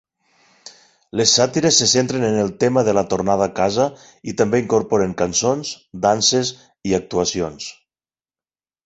Les sàtires se centren en el tema de la tornada a casa i també incorporen cançons, danses i actuacions.